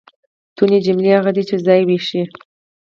توني؛ جمله هغه ده، چي ځای وښیي.